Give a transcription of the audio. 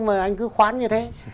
mà anh cứ khoán như thế